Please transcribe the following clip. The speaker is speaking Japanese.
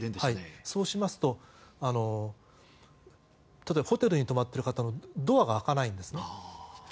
そうしますとホテルに泊まっている方のドアが開かないんですね。